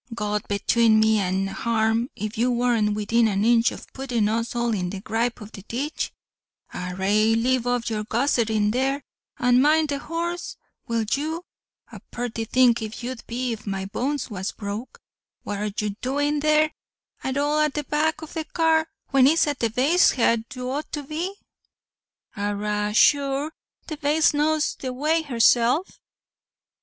God betune me and harm, if you warn't within an inch o' puttin' us all in the gripe o' the ditch; arrah, lave off your gostherin there, and mind the horse, will you; a purty thing it 'ud be if my bones was bruk; what are you doin, there at all at the back o' the car, when it's at the baste's head you ought to be?" "Arrah sure, the baste knows the way herself."